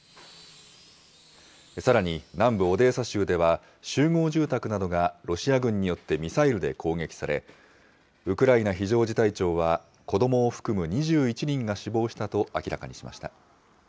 さらに、南部オデーサ州では、集合住宅などがロシア軍によってミサイルで攻撃され、ウクライナ非常事態庁は、子どもを含む２１人が死亡したと明らかにしました。